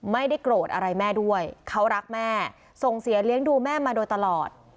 ไม่ได้โกรธอะไรแม่ด้วยเขารักแม่ส่งเสียเลี้ยงดูแม่มาโดยตลอด